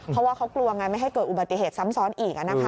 เพราะว่าเขากลัวไงไม่ให้เกิดอุบัติเหตุซ้ำซ้อนอีก